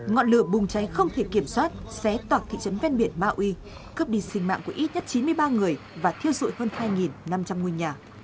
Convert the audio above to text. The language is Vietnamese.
ngọn lửa bùng cháy không thể kiểm soát xé toạc thị trấn ven biển maui cướp đi sinh mạng của ít nhất chín mươi ba người và thiêu dụi hơn hai năm trăm linh ngôi nhà